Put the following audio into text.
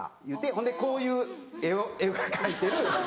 ほんでこういう絵が描いてる。